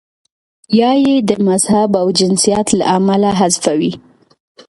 یا یې د مذهب او جنسیت له امله حذفوي.